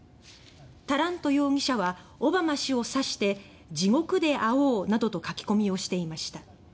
タラント容疑者はオバマ氏を指して「地獄で会おう」などと書き込みをしていました。